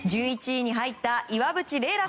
１１位に入った岩渕麗